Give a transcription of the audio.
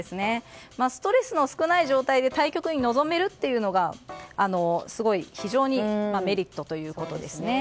ストレスの少ない状態で対局に臨めるというのが非常にメリットということですね。